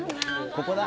ここだ。